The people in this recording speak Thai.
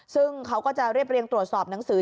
ซึ่งเขาก็จะเรียบเรียงตรวจสอบหนังสือ